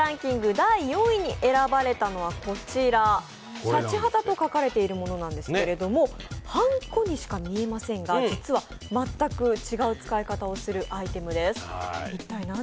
第４位に選ばれたのはこちら、シャチハタと書かれているものなんですけどはんこにしか見えませんが実は全く違う使い方をするアイテムです。